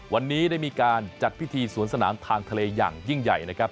วันนี้ได้มีการจัดพิธีสวนสนามทางทะเลอย่างยิ่งใหญ่นะครับ